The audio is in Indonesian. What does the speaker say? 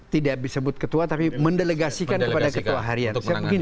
tidak disebut ketua tapi mendelegasikan kepada ketua harian